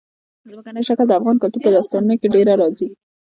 ځمکنی شکل د افغان کلتور په داستانونو کې ډېره راځي.